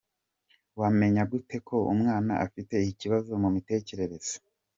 Wamenya gute ko umwana afite ikibazo mu mitekerereze?.